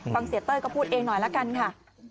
เสียเต้ยก็พูดเองหน่อยละกันค่ะ